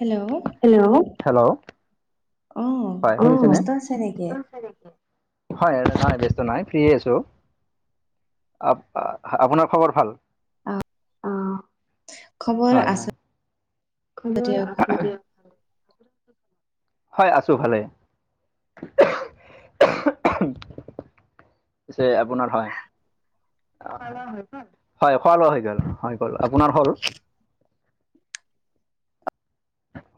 Hello hello hello অ হয়, ব্যস্ত আছে নেকি হয় নাই ব্যস্ত নাই ফ্ৰী আছোঁ। আহ, আপোনাৰ খবৰ ভাল? অঁ হয় হয়। দিয়ক হয় আছোঁ ভালে। আপোনাৰ হয়। হয় খোৱা লোৱা হৈ গল? হয় গল, আপোনাৰ হ'ল?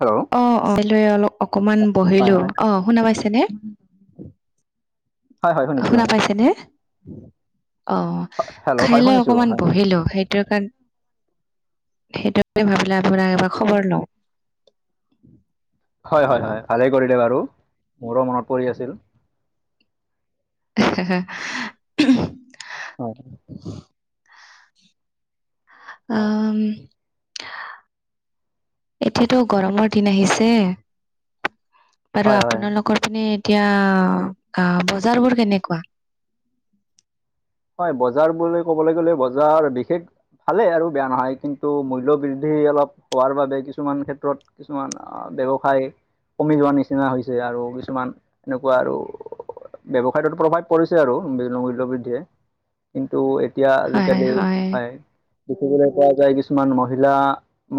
হেল্ল' অ অ', খাই লৈ অকমান হয় বহিলো, হয় অ' শুনা পাইছেনে? হয় হয় শুনিছো শুনা হয় পাইছেনে? অ', হেল্ল' খাই হয় লৈ শুনিছো অকমান হয় বহিলো। সেই সেই কাৰেণ সেইটোকে ভাবিলোঁ আপোনাক এবাৰ খবৰ লওঁ। হয় হয় হয়, ভালেই কৰিলে বাৰু, মোৰো মনত পৰি আছিল। হা হা উম। হয় হয়। হয় উম এতিয়াটো গৰমৰ দিন আহিছে বাৰু হয় হয় আপোনালোকৰ পিনে এতিয়া, বজাৰ বোৰ কেনেকুৱা? হয়, বজাৰ বুলি ক'বলৈ গ'লে বজাৰ বিশেষ ভালে আৰু বেয়া নহয় কিন্তু, মূল্য বৃদ্ধি অলপ হোৱাৰ বাবে কিছুমান ক্ষেত্ৰত কিছুমান ব্যৱসায় কমি যোৱা নিচিনা হৈছে আৰু কিছুমান এনেকুৱা আৰু ব্যয়ৱসায়ত প্ৰভাৱ পৰিছে আৰু মূল্য বৃদ্ধিয়ে কিন্তু এতিয়া আজিকালি হয়, দেখিবলৈ পোৱা যায়, কিছুমান মহিলা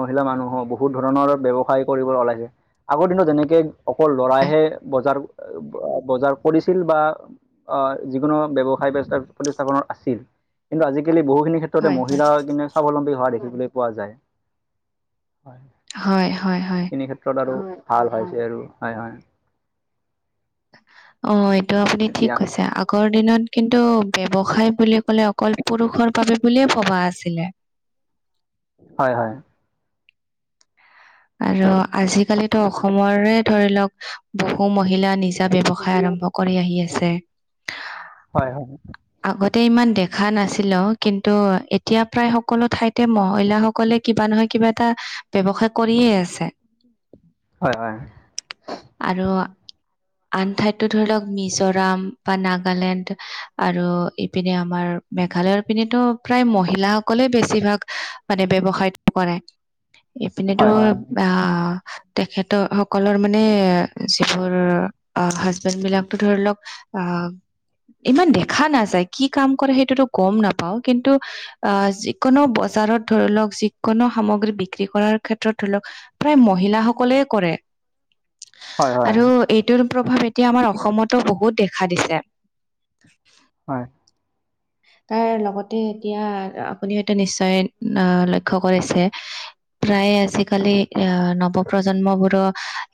মহিলা মানুহো বহুত ধৰণৰ ব্যৱসায় কৰিবলৈ ওলাইছে। আগৰ দিনত যেনেকে অকল হয় লৰাহে বজাৰ বজাৰ কৰিছিল, বা অ', যিকোনো ব্যৱসায় প্ৰতিস্থাপনৰ আছিল কিন্তু আজিকালি বহুখিনি ক্ষেত্ৰতে হয় মহিলা কিনে স্বাৱলম্বী হোৱা দেখিবলৈ পোৱা যায়। হয়, হয়, হয়। ক্ষেত্ৰ আৰু ভাল হৈছে আৰু হয়, হয়। অ, এইটো আপুনি ঠিক এতিয়া কৈছে আগৰ দিনত কিন্তু ব্যৱসায় বুলি ক'লে অকল পুৰুষৰ বাবে বুলিয়ে ভবা আছিলে। হয়, হয়। আৰু আজিকালিতো অসমৰে ধৰি লওক বহু মহিলা নিজ ব্যৱসায় আৰম্ভ কৰি আহি আছে। হয়, হয়। আগতে ইমান দেখা নাছিলো কিন্তু এতিয়া প্ৰায় সকলো ঠাইতে মহিলাসকলে কিবা নহয় কিবা এটা ব্যৱসায় কৰিয়ে আছে। হয়, হয়। আৰু আন ঠাইততো ধৰি লওক মিজোৰাম বা নাগালেণ্ড আৰু ইপিনে আমাৰ মেঘালয়ৰ পিনেতো প্ৰায় মহিলাাসকলে বেছিভাগ মানে ব্যৱসায় কৰে এইপিনেতো হয় হয় হয় হয় আহ তেখেতৰ সকলৰ মানে যিবোৰ অ, হাজবেণ্ড বিলাকো ধৰি লওক আহ, ইমান দেখা নাযায় কি কাম কৰে সেইটোতো গম নাপাওঁ। কিন্তু আহ, যিকোনো বজাৰত ধৰি লওক যিকোনো সামগ্ৰী বিক্ৰী কৰাৰ ক্ষেত্ৰত ধৰি লওক, প্ৰায় মহিলাসকলে কৰে। হয় আৰু এইটোৰ প্ৰভাৱ এতিয়া আমাৰ অসমতো বহুত দেখা দিছে। [unintelligible] হয়। তাৰ লগতে এতিয়া আপুনি হয়তো নিশ্চয় আহ, লক্ষ্য কৰিছে। প্ৰায় আজিকালি এ, নৱ প্ৰজন্ম বোৰৰ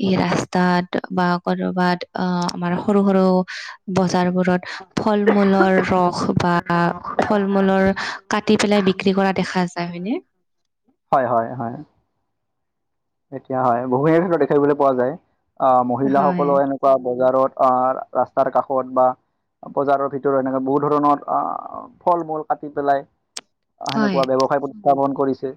এই ৰাস্তাত বা কৰ'বাত অ, আমাৰ সৰু, সৰু বজাৰ বোৰত ফল-মূলৰ ৰস বা বা ফল-মূলৰ কাটি পেলাই বিক্ৰী কৰা দেখা যায় হয়নে। হয়, হয়, হয়। এতিয়া হয়, বহুখিন ক্ষেত্ৰত দেখিবলৈ পোৱা যায় আহ' হয় মহিলাসকলৰ এনেকুৱা বা বজাৰত, অ, ৰাস্তাৰ কাষত বা বজাৰৰ ভিতৰত এনেকে বহুত ধৰণৰ ফল-মূল কাটি পেলাই হয় হেনেকুৱা ব্যৱসায় প্ৰতিষ্ঠাপন বন্ধ কৰিছে।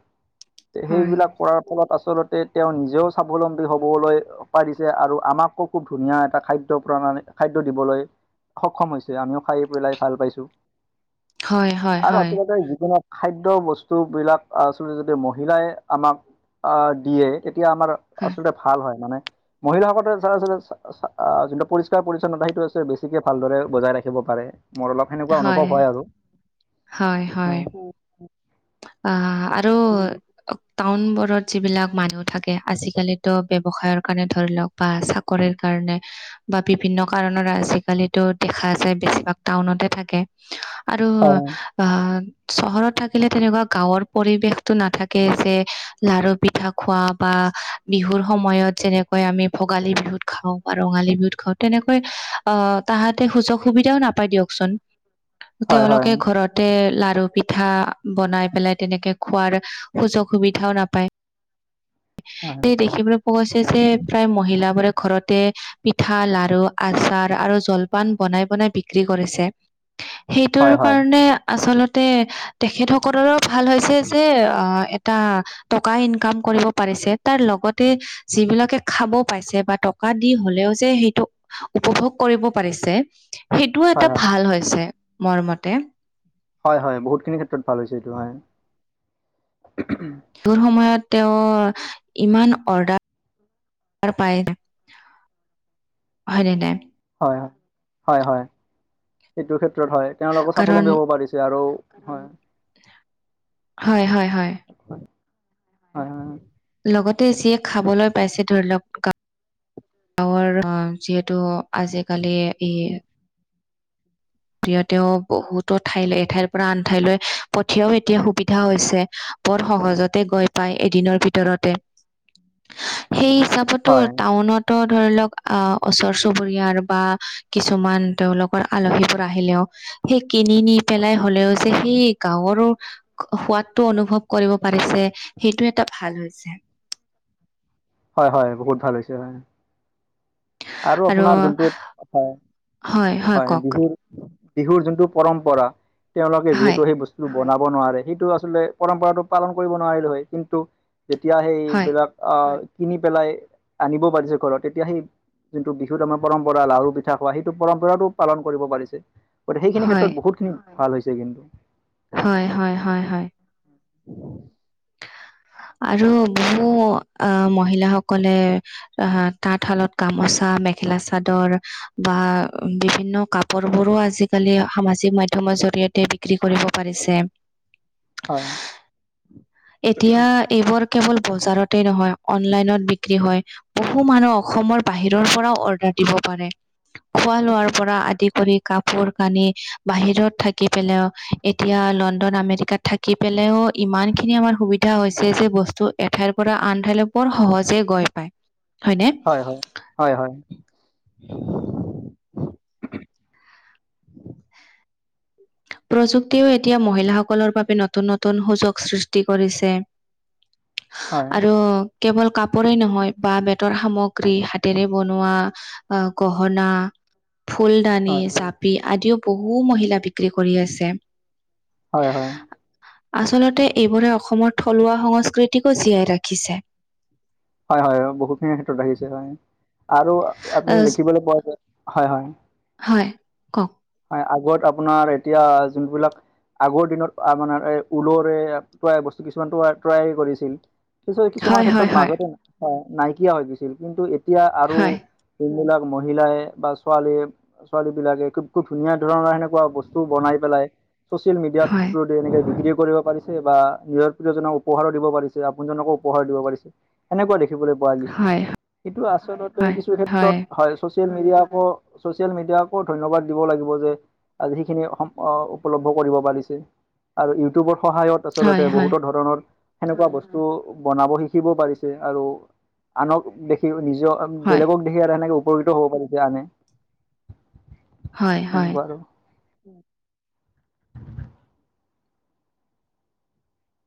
হয় সেইবিলাক কৰাৰ ফলত আচলতে তেওঁ নিজেও স্বাৱলম্বী হবলৈ পাই দিছে আৰু আমাকো খুব ধুনীয়া এটা খাদ্য, প্ৰণ খাদ্য দিবলৈ সক্ষম হৈছে, আমিও খাই পেলাই ভাল পাইছো। হয় আৰু হয় আচলতে যিকোনো, খাদ্য বস্তুবিলাক আচলতে যদি মহিলাই আমাক দিয়ে। এতিয়া আমাৰ হয় আচলতে ভাল হয়। মানে মহিলাসকলে আচলতে যোনটো পৰিষ্কাৰ পৰিচ্ছন্নতা সেইটো আছে বেছিকে ভালদৰে বজাই ৰাখিব পাৰে। মোৰ অলপ সেনেকুৱা অনুভৱ হয় আৰু। হয়, হয়। অ, আৰু টাউনবোৰত যিবিলাক মানুহ থাকে। আজিকালিতো ব্যৱসায়ৰ কাৰণে ধৰি লওক বা চাকৰিৰ কাৰণে বা বিভিন্ন কাৰণত আজিকালিতো দেখা যায়। বেছিভাগ টাউনতে থাকে। আৰু অ, চহৰত থাকে। সেইফালে তেনেকুৱা গাঁৱৰ পৰিৱেশতটো নাথাকে যে লডাৰু পিঠা-খোৱা বা বিহুৰ সময়ত যেনেকৈ আমি ভোগালী বিহুত খাওঁ বা ৰঙালী বিহুত খাওঁ তেনেকৈ অ, তাহাঁতে সুযোগ সুবিধাও নাপায় দিয়কচোন। হয় হয় তেওঁলোকে ঘৰতে লাৰু পিঠা বনাই পেলাই তেনেকে খোৱাৰ সুযোগ সুবিধাও নাপায়। এই দেখিবলৈ পোৱা গৈছে যে, প্ৰায় মহিলাবোৰে ঘৰত তে পিঠা, লাৰু, আচাৰ আৰু জলপান বনাই বনাই বিক্ৰী কৰিছে। সেইটোৰ হয় হয় হয় কাৰণে আচলতে তেখেতসকলৰো ভাল হৈছে যে আ এটা টকা ইনকাম কৰিব পাৰিছে। তাৰ লগতে যিবিলাকে খাব পাইছে বা টকা দি হ'লেও যে সেইটো উপভোগ কৰিব পাৰিছে সেইটোও হয় এটা হয় ভাল হৈছে মোৰ মতে। হয় হয় বহুতখিনি ক্ষেত্ৰত ভাল হৈছে এইটো হয়। [unintelligible] বহুত সময়ত তেওঁ ইমান অৰ্ডাৰ অৰ্ডাৰ পায় হয় নে নাই? হয় হয় হয় সেইটো ক্ষেত্ৰত হয়, তেওঁলোকো কাৰণ স্বাৱলম্বী হ'ব পাৰিছে আৰু হয়। হয় হয় হয় হয় হয় লগত তে যিয়ে খাবলৈ পাইছে ধৰি লওক গা গাঁৱৰ অ যিহেতু আজিকালি এই সিহঁতেও বহুতো ঠাইলে এঠাইৰ পৰা আন ঠাইলৈ পঠিয়াও এতিয়া সুবিধা হৈছে বৰ সহজতে গৈ পাই এদিনৰ ভিতৰতে সেই হিচাপ তটো হয় টাউনত টো ধৰি লওক আহ ওচৰ-চুবুৰীয়াৰ বা কিছুমান তেওঁলোকৰ আলহী আহিলেও সেই কিনি নি পেলাই হ'লেও যে সেই গাঁৱৰো সোৱাদটো অনুভৱ কৰিব পাৰিছে সেইটো এটা ভাল হৈছে। হয় হয় বহুত ভাল হৈছে হয়। আৰু আপোনাৰ যোনটো হয় হয় বিহুৰ বিহুৰ যোনটো পৰম্পৰা তেওঁলোকে হয় যিহেতু সেই বস্তু বনাব নোৱাৰে সেইটো আচলতে পৰম্পৰাটো পালন কৰিব নোৱাৰিলো হয় কিন্তু যেতিয়া হয় সেইবিলাক আহ কিনি পেলাই আনিব পাৰিছে ঘৰত তেতিয়া সেই যোনটো বিহুত আমাৰ পৰম্পৰা লাৰু, পিঠা খোৱা সেইটো পৰম্পৰাটোও পালন কৰিব পাৰিছে। সেইখিনি হয় হয় ক্ষেত্ৰত বহুতখিনি ভাল হৈছে কিন্তু। হয় হয় হয় হয়। [unintelligible] আৰু বহু আ মহিলাসকলে আ তাঁতশালত গামোচা, মেখেলা-চাদৰ বা বিভিন্ন কাপোৰবোৰো আজিকালি সামাজিক মাধ্যমৰ জৰিয়তে বিক্ৰী কৰিব পাৰিছে। হয় এতিয়া এইবোৰ কেৱল বজাৰতে নহয় অনলাইনত বিক্ৰী হয়। বহু মানুহ অসমৰ বাহিৰৰ পৰাও অৰ্ডাৰ দিব পাৰে। খোৱা-লোৱাৰ পৰা আদি কৰি কাপোৰ-কানি বাহিৰত থাকি পেলাইও এতিয়া লণ্ডন, আমেৰিকাত থাকি পেলাইও ইমানখিনি আমাৰ সুবিধা হৈছে যে বস্তু এঠাইৰ পৰা আন ঠাইলৈ বৰ সহজে গৈ পায়। হয়নে? হয় হয় হয় হয় [unintelligible] প্ৰযুক্তিও এতিয়া মহিলাসকলৰ বাবে নতুন নতুন সুযোগ সৃষ্টি কৰিছে। হয় আৰু কেৱল কাপোৰেই নহয় বাঁহ, বেতৰ সামগ্ৰী হাতেৰে বনোৱা আ গহনা, ফুলদানি, হয় জাপি আদিও বহু মহিলা বিক্ৰী কৰি আছে। হয় হয়। আচলতে এইবোৰে অসমৰ থলুৱা সংস্কৃতিকো জীয়াই ৰাখিছে। হয় হয় হয় বহুখিনি ক্ষেত্ৰত আহিছে হয়। আৰু আ, আপুনি দেখিবলৈ পোৱা যায় হয় হয় হয়, কওক। হয় আগত আপোনাৰ এতিয়া যোনবিলাক আগৰ দিনত অপোনাৰ ঊলৰে ট্ৰাই বস্তু কিছুমান ট ট্ৰাই কৰিছিল। কিছু-কিছুমান হয়, ক্ষেত্ৰত হয়, হয়, মাজতে নাই-নাইকিয়া হৈ গৈছিল, কিন্তু এতিয়া আৰু হয়, যোনবিলাক মহিলাই বা ছোৱালীয়ে ছোৱালীবিলাকে খুব, খুব ধুনীয়া ধৰণৰ সেনেকুৱা বস্তু বনাই পেলাই, ছচিয়েল মিডিয়া হয়, থ্ৰু দি এনেকে বিক্ৰী কৰিব পাৰিছে বা নিজৰ প্ৰিয়জনক উপহাৰো দিব পাৰিছে আপোনজনকো উপহাৰ দিব পাৰিছে। এনেকুৱা দেখিবলৈ পোৱা হয়, গৈছে। হয়, কিন্তু আচলতে কিছু ক্ষেত্ৰত হয় ছচিয়েল মিডিয়াকো, ছচিয়েল মিডিয়াকো ধন্যবাদ দিব লাগিব যে আজি সেইখিনি অ', উপলব্ধ কৰিব পাৰিছে আৰু ইউটিউবৰ সহায়ত হয়, আচলতে হয়, বহুতো ধৰণৰ সেনেকুৱা বস্তু বনাব শিকিব পাৰিছে। আৰু আনক দেখিও নিজেও আৰু হয়, বেলেগক সেইকাৰণে উপকৃত হ'ব পাৰিছোঁ আমি। হয়, হয়।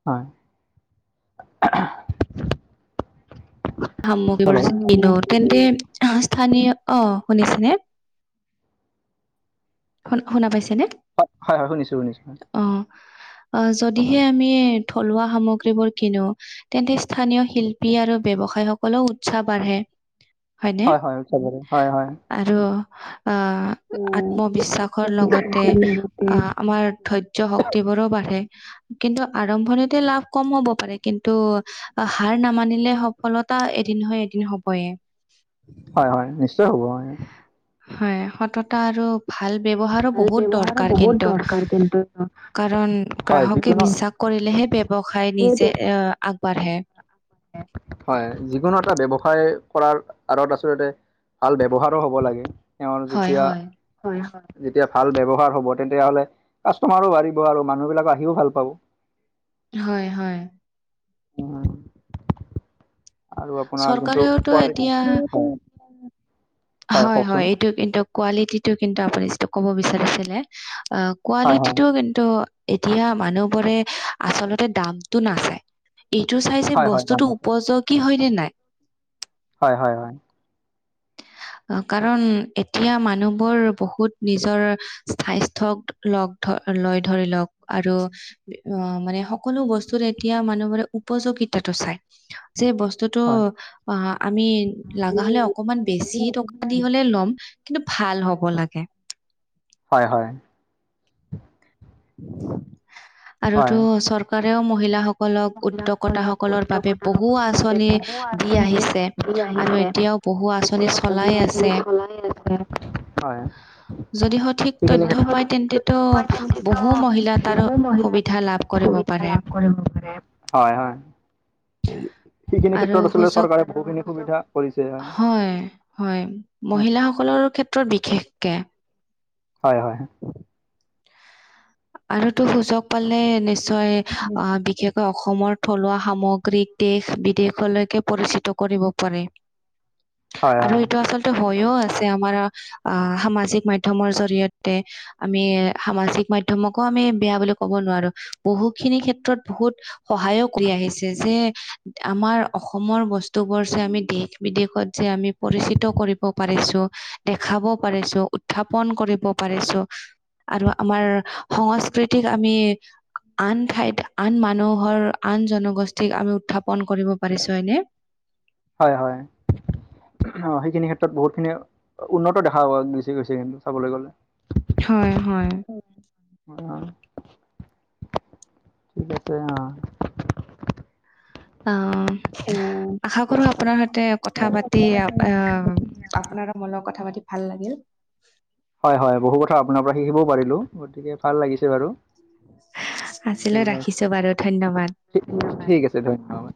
হয়, [unintelligible] হেল্ল' [unintelligible] তেন্তে স্থানীয় অ', শুনিছেনে? শুন-শুনা পাইছেনে? হয়, হয়, শুনিছোঁ, শুনিছোঁ। অ'। অ', যদিহে আমি থলুৱা সামগ্ৰীবোৰ কিনো তেন্তে স্থানীয় শিল্পী আৰু ব্যৱসায় সকলেও উৎসাহ বাঢ়ে। হয়নে? হয়, হয়, [unintelligible] হয়, হয়। আৰু আ, আত্মবিশ্বাসৰ লগতে আ আমাৰ ধৈৰ্য শক্তিবোৰো বাঢ়ে। কিন্তু আৰম্ভণিতে লাভ কম হ'ব পাৰে কিন্তু হাৰ নামানিলে হ সফলতা এদিন নহয় এদিন হ'বয়ে। হয়, হয় নিশ্চয় হ'ব হয়। হয়, সততা আৰু ভাল ব্যৱহাৰো বহুত দৰকাৰ কিন্তু। কাৰণ হয় গ্ৰাহকে যিকোনো বিশ্বাস কৰিলেহে ব্যৱসায় নিজে আহ, আগবাঢ়ে। হয়, যিকোনো এটা ব্যৱসায় কৰাৰ আঁৰত আচলতে ভাল ব্যৱহাৰো হ'ব লাগে, তেওঁৰ যেতিয়া হয়, হয়। যেতিয়া ভাল ব্যৱহাৰ হ'ব তেন্তিয়া হ'লে কাষ্টমাৰো বাঢ়িব আৰু মানুহবিলাক আহিও ভাল পাব। হয়, হয়। [inaudible] আৰু আপোনাৰ যোনটো চৰকাৰেওতো কোৱালি এতিয়া [unintelligible] হয়, হয়, এইটো কিন্তু কোৱালিটিটো কিন্তু আপুনি যিটো ক'ব বিচাৰিছিলে হয় হয় কোৱালিটিটো কিন্তু এতিয়া মানুহবোৰে আচলতে দামতটো নাচায়। এইটো চাইছে যে হয় হয় গান বস্তুতোটো মাত উপযগী হয়, নে নাই! হয়, হয়, হয়। কাৰণ এতিয়া মানুহবোৰ বহুত নিজৰ স্বাস্থ্যক লগ ধই লৈ ধৰি লওঁক আৰু মানে স সকলো বস্তুৰে এতিয়া মানুহবোৰে উপযোগিতাটো চাই, যে বস্তু [unintelligible] অ', হয় আমি লাগা হ'লে অকমান বেছি টকা দি হ'লে ল'ম কিন্তু ভাল হ'ব লাগে। হয়, হয়। হয় আৰুতো চৰকাৰেও মহিলাসকল সকলক উদ্যেকতাসকলৰ বাবে বহু আঁচনি দি আহিছে আৰু এতিয়াও বহু আঁচনি এতিয়াও চলাই আছে [unintelligible] চলাইয়ে আছে, হয়। যদি সঠিক তথ্য পায় তেন্ততো ত' বহু মহিলাই [unintelligible] কৰিব সুবিধা পাৰে লাভ কৰিব পাৰে। হয়, হয়। [inaudible] সেইখিনি আৰু ক্ষেত্ৰত আচলতে সূচক চৰকাৰে বহুখিনি সুবিধা কৰিছে হয়। সকলৰ ক্ষেত্ৰত বিশেষকে হয়, হয়। আৰুতো সুযোগ পালে নিশ্চয় অ, বিশেষ অসমৰ থলুৱা সামগ্ৰীক দেশ-বিদেশলৈকে পৰিচিত কৰিব পাৰে। হয় হয় আৰু এইটো আচলতে হৈও আছে আমাৰ আহ, সামাজিক মাধ্যয়মৰ জৰিয়তে আমি সামাজিক মাধ্যয়মকো আমি বেয়া বুলি ক'ব নোৱাৰো বহুখিনি ক্ষেত্ৰত বহুত সহায় কৰি আহিছে যে আমাৰ অসমৰ বস্তুবোৰ যে আমি দেশ-বিদেশত যে আমি পৰিচিত কৰিব পাৰিছো, দেখাব পাৰিছো, উত্থাপন কৰিব পাৰিছো। আৰু আমাৰ সংস্কৃতিক আমি আন ঠাইত, আন মানুহৰ, আন জনগোষ্ঠীক আমি উত্থাপন কৰিব পাৰিছো হয়নে। হয়, হয়। আহ, সেইখিনি ক্ষেত্ৰত বহুতখিনি উন্নত দেখা গছে, গৈছে। কিন্তু চাবলৈ গ'লে হয়, হয়। ঠিক আছে, অ'। অ, আশা কৰো আপোনাৰ সৈতে কথা পাতি আহ আপোনাৰো মনত কথা পাতি ভাল লাগিল। হয়, হয়, বহু কথা আপোনাৰ পৰা শিকিবও পাৰিলো গতিকে ভাল লাগিছে বাৰু। আছিলো, ৰাখিছো বাৰু ধন্যবাদ। ঠিক আছে, ধন্যবাদ।